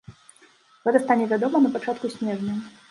Гэта стане вядома на пачатку снежня.